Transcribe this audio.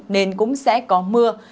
nên cũng sẽ có mưa